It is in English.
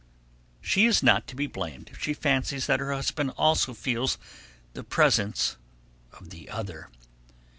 She is not to be blamed if she fancies that her husband also feels the presence of the other.